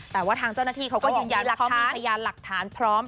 แต่ว่าทางเจ้าหน้าที่เขาก็ยืนยันว่าเขามีพยานหลักฐานพร้อม